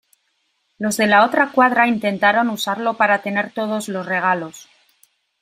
Los de la Otra Cuadra intentaron usarlo para tener todos los regalos.